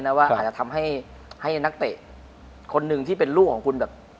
ว่าอาจจะทำให้นักเตะคนหนึ่งที่เป็นลูกของคุณแบบ